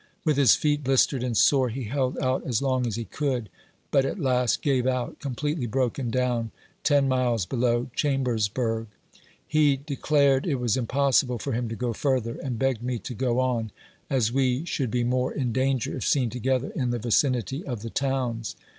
With his feet blistered and sore, he held out as long as he could, but at last gave out, completely broken down, ten miles below Chambersburg. He declared it was impossible for him to go further, and begged me to go on, as we should be more in danger if seen together in the vicinity of the towns.